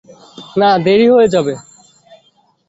না, দেরি হয়ে যাবে।